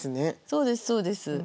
そうですそうです。